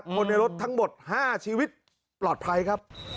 คนในรถทั้งหมด๕ชีวิตปลอดภัยครับ